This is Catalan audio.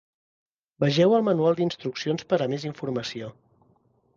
Vegeu el Manual d'instruccions per a més informació.